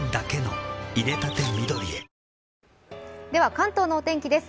関東のお天気です。